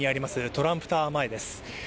トランプタワー前です。